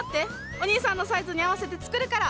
おにいさんのサイズに合わせて作るから！